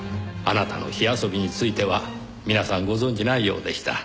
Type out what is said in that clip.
あなたの火遊びについては皆さんご存じないようでした。